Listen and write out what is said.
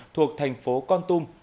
thuộc thành phố con tum